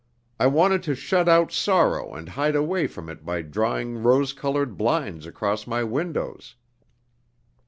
I wanted to shut out sorrow and hide away from it by drawing rose colored blinds across my windows.